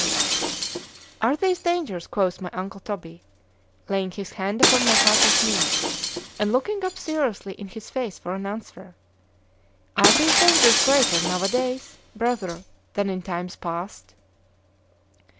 ——Are these dangers, quoth my uncle Toby, laying his hand upon my father's knee, and looking up seriously in his face for an answer,——are these dangers greater now o'days, brother, than in times past?